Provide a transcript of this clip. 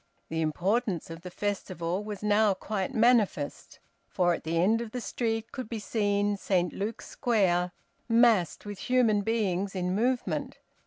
The importance of the festival was now quite manifest, for at the end of the street could be seen Saint Luke's Square, massed with human beings in movement.